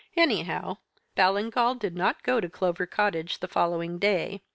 "Anyhow, Ballingall did not go to Clover Cottage the following day.